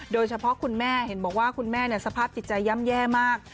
คุณแม่เห็นบอกว่าคุณแม่สภาพจิตใจย่ำแย่มาก